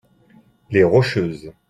Les Rocheuses.